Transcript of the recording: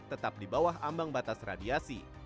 tetap di bawah ambang batas radiasi